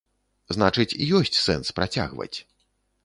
Значыць, ёсць сэнс працягваць.